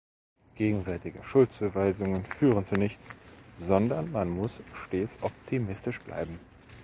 Gegenseitige Schuldzuweisungen führen zu nichts, sondern man muss stets optimistisch bleiben.